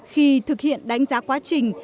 khi thực hiện đánh giá quá trình